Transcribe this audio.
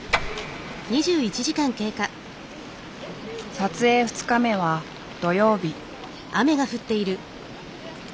撮影２日目は土曜日。